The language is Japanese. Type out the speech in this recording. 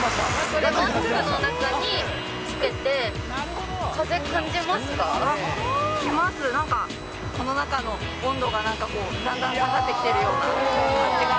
これ、マスクの中につけて、きます、なんか、この中の温度がなんかこう、だんだん下がってきているような感じが。